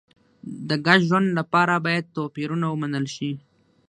د ګډ ژوند لپاره باید توپیرونه ومنل شي.